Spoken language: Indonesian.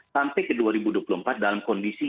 sampai ke dua ribu dua puluh empat dalam kondisi